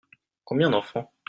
Combien d'enfants ?